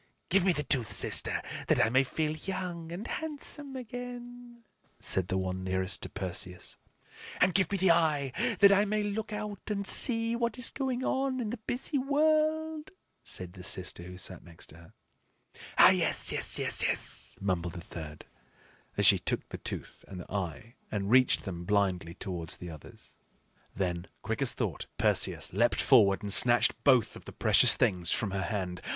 "Give me the tooth, sister, that I may feel young and handsome again," said the one nearest to Perseus. "And give me the eye that I may look out and see what is going on in the busy world," said the sister who sat next to her. "Ah, yes, yes, yes, yes!" mumbled the third, as she took the tooth and the eye and reached them blindly towards the others. Then, quick as thought, Perseus leaped forward and snatched both of the precious things from her hand.